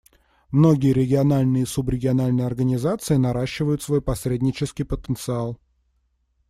Многие региональные и субрегиональные организации наращивают свой посреднический потенциал.